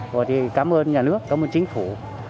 rồi thì cảm ơn nhà nước cảm ơn chính phủ